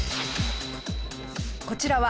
こちらは